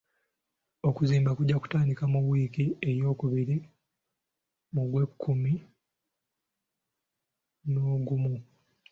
Okuzimba kujja kutandika mu wiiki eyookubiri mu gw'ekkumi n'ogumu.